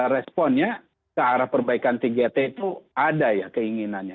responnya ke arah perbaikan tiga t itu ada ya keinginannya